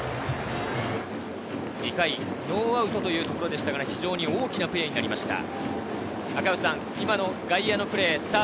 ２回、ノーアウトというところでしたが非常に大きなプレーとなりました。